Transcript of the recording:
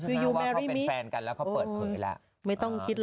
ว่าเขาเป็นแฟนกันแล้วเขาเปิดเผยละ